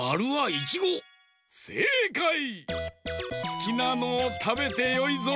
すきなのをたべてよいぞ。